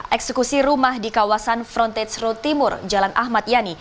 eksekusi rumah di kawasan frontage road timur jalan ahmad yani